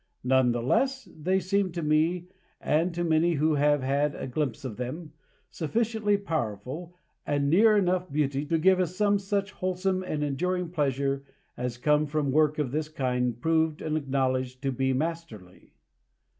None the less, they seem to me, and to many who have had a glimpse of them, sufficiently powerful, and near enough beauty, to give us some such wholesome and enduring pleasure as comes from work of this kind proved and acknowledged to be masterly.